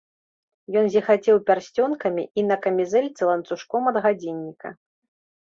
Ён зіхацеў пярсцёнкамі і на камізэльцы ланцужком ад гадзінніка.